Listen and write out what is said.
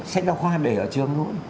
sách học khoa để ở trường luôn